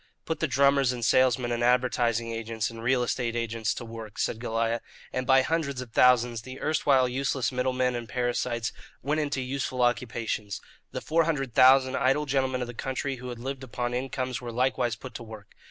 "Put the drummers, and salesmen, and advertising agents, and real estate agents to work," said Goliah; and by hundreds of thousands the erstwhile useless middlemen and parasites went into useful occupations. The four hundred thousand idle gentlemen of the country who had lived upon incomes were likewise put to work.